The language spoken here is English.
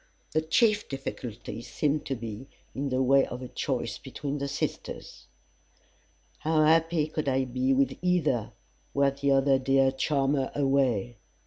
The chief difficulty seemed to be, in the way of a choice between the sisters. "How happy could I be with either, Were t'other dear charmer away."